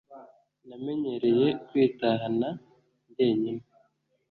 Namenyereye kwitahana njyenyine